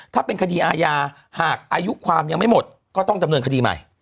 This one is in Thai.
ถ้าเป็นคดีอาญาหากอายุความยังไม่หมดก็ต้องดำเนินคดีใหม่